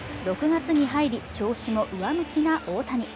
６月に入り、調子も上向きな大谷。